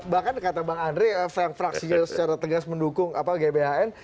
bahkan kata bang andre fraksi secara tegas mendukung gbhn